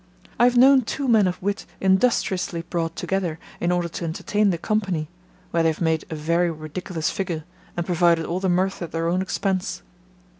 I have known two men of wit industriously brought together, in order to entertain the company, where they have made a very ridiculous figure, and provided all the mirth at their own expense.